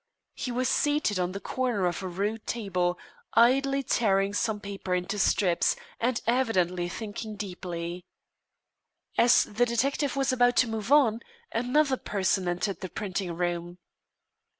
He was seated on the corner of a rude table, idly tearing some paper into strips, and evidently thinking deeply. As the detective was about to move on, another person entered the printing room.